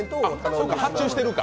そうか、発注してるのか。